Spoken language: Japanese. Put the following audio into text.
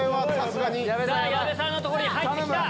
さぁ矢部さんの所に入ってきた。